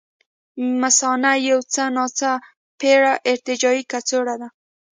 مثانه یو څه ناڅه پېړه ارتجاعي کڅوړه ده.